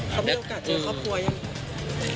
เค้ามีโอกาสเจอกับครอบครัวหรือยัง